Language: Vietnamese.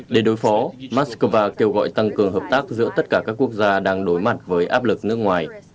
để đối phó moscow kêu gọi tăng cường hợp tác giữa tất cả các quốc gia đang đối mặt với áp lực nước ngoài